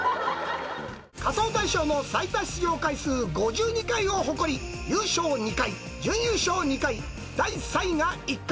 仮装大賞の最多出場回数５２回を誇り、優勝２回、準優勝２回、第３位が１回。